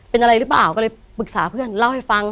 เป็นอะไรหรือเปล่าก็เลยปรึกษาเพื่อนเล่าให้ฟัง